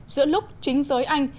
giữa lúc chính giới anh